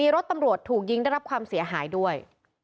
รถตำรวจถูกยิงได้รับความเสียหายด้วย